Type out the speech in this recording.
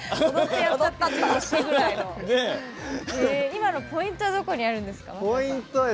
今のポイントはどこにあるんですか？